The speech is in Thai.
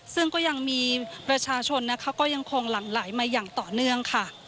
ซึ่งก็ยังมีประชาชนนะคะก็ยังคงหลั่งไหลมาอย่างต่อเนื่องค่ะ